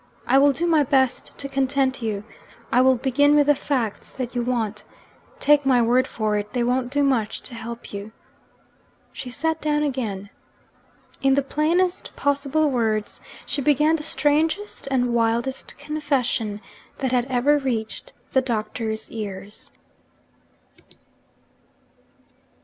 I will do my best to content you I will begin with the facts that you want. Take my word for it, they won't do much to help you.' She sat down again. In the plainest possible words, she began the strangest and wildest confession that had ever reached the Doctor's ears.